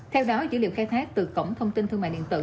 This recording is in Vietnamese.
theo đó dữ liệu khai thác từ cổng thông tin thương mại điện tử